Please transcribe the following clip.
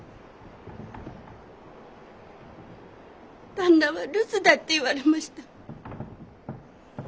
旦那は留守だって言われました。